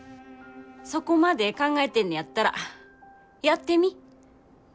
そこまで考えてんねやったらやってみ。